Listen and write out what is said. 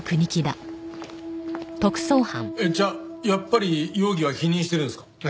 えっじゃあやっぱり容疑は否認してるんですか？